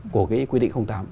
của cái quy định tám